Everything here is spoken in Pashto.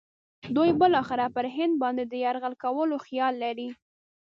دوی بالاخره پر هند باندې د یرغل کولو خیال لري.